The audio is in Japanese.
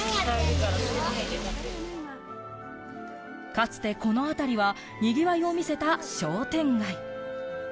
かつてこのあたりは、にぎわいを見せた商店街。